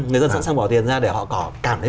người dân sẵn sàng bỏ tiền ra để họ có cảm thấy